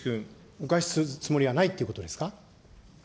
お返しするつもりはないということですか。